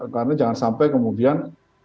karena jangan sampai kemudian